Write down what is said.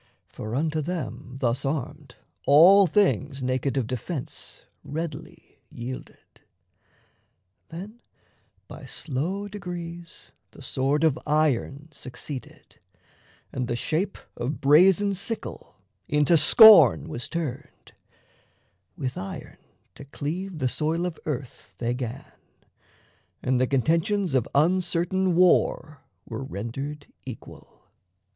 For unto them, Thus armed, all things naked of defence Readily yielded. Then by slow degrees The sword of iron succeeded, and the shape Of brazen sickle into scorn was turned: With iron to cleave the soil of earth they 'gan, And the contentions of uncertain war Were rendered equal.